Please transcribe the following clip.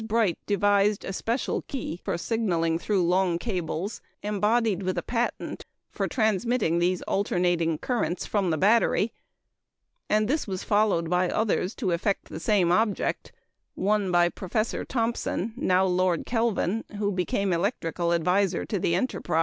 Bright devised a special key (embodied with a patent for signaling through long cables) for transmitting these alternating currents from the battery; and this was followed by others to effect the same object one by Professor Thomson (now Lord Kelvin), who became electrical adviser to the enterprise.